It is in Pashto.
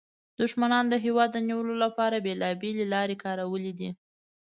دښمنانو د هېواد د نیولو لپاره بیلابیلې لارې کارولې دي